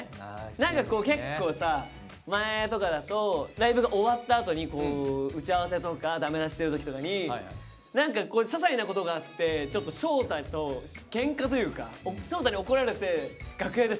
何かこう結構さ前とかだとライブが終わったあとに打ち合わせとかダメ出ししてる時とかに何かささいなことがあってちょっと翔太とケンカというか。